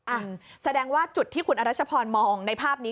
อ่ะแสดงว่าจุดที่คุณอรัชพรมองในภาพนี้